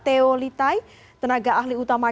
theo litai tenaga ahli utama